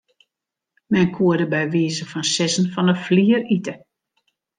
Men koe der by wize fan sizzen fan 'e flier ite.